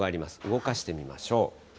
動かしてみましょう。